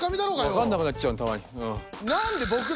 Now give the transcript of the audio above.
分かんなくなっちゃうたまに。